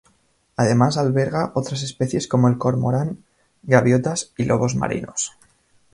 Además alberga otras especies como el cormorán, gaviotas y lobos marinos.